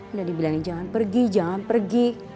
udah di bilangin jangan pergi jangan pergi